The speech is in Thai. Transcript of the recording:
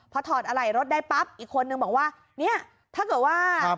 พอถอดอะไหล่รถได้ปั๊บอีกคนนึงบอกว่าเนี่ยถ้าเกิดว่า